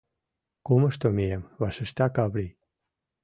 — Кумышто мием, — вашешта Каврий.